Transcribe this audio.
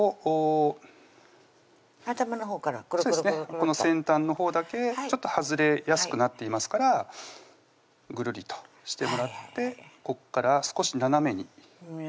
この先端のほうだけちょっと外れやすくなっていますからぐるりとしてもらってこっから少し斜めに巻いていきます